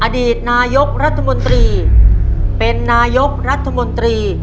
อดีตนายกรัฐมนตรีเป็นนายกรัฐมนตรี